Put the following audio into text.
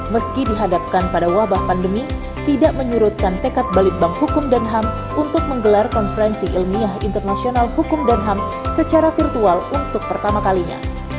meski dihadapkan pada wabah pandemi tidak menyurutkan tekad balitbang hukum dan ham untuk menggelar konferensi ilmiah internasional hukum dan ham secara virtual untuk pertama kalinya